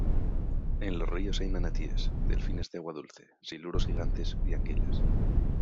En los ríos hay manatíes, delfines de agua dulce, siluros gigantes y anguilas.